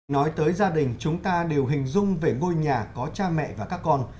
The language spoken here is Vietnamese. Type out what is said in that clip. nói tới gia đình chúng ta đều hình dung về ngôi nhà có cha mẹ và các con